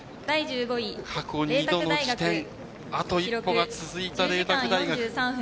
過去２度の次点、あと一歩が続いた麗澤大学。